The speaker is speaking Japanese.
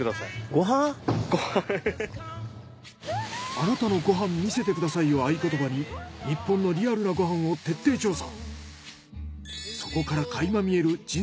「あなたのご飯見せて下さい」を合言葉に日本のリアルなご飯を徹底調査！